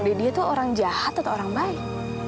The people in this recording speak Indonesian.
dia tuh orang jahat atau orang baik